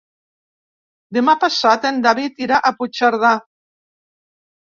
Demà passat en David irà a Puigcerdà.